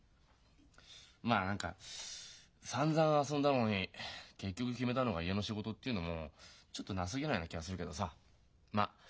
まあ何かさんざん遊んだのに結局決めたのが家の仕事っていうのもちょっと情けないような気がするけどさまっ